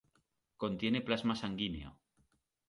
Contiene plasma sanguíneo.